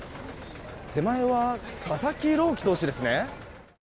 手前は佐々木朗希投手ですね。